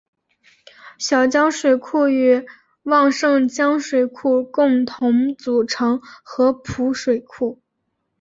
小江水库与旺盛江水库共同组成合浦水库。